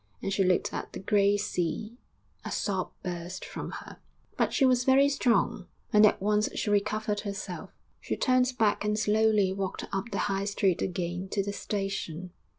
And she looked at the grey sea; a sob burst from her; but she was very strong, and at once she recovered herself. She turned back and slowly walked up the High Street again to the station.